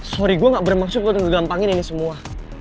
sorry gue gak bermaksud lo tuh ngegampangin ini semua